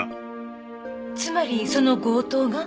つまりその強盗が？